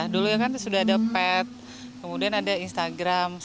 dulu kan sudah ada pat kemudian ada instagram